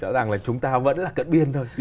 rõ ràng là chúng ta vẫn là cận biên thôi